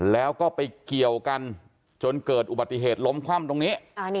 แล้วก็ไปเกี่ยวกันจนเกิดอุบัติเหตุล้มคว่ำตรงนี้